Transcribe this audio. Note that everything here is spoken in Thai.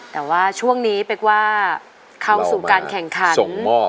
แต่ว่าช่วงนี้เป๊กว่าเข้าสู่การแข่งขัน